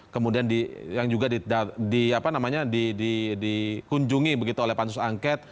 kemudian yang juga dikunjungi begitu oleh pansus angket